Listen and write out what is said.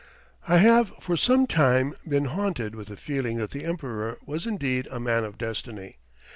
] I have for some time been haunted with the feeling that the Emperor was indeed a Man of Destiny.